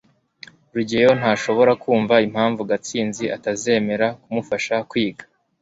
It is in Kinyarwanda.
rugeyo ntashobora kumva impamvu gashinzi atazemera kumufasha kwiga